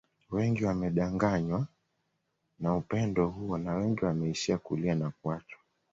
Wengi wamedanganywa na upendo huo na wengi wameishia kulia na kuachwa